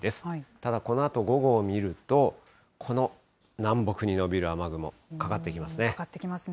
ただ、このあと午後を見ると、この南北に延びる雨雲、かかってきますね。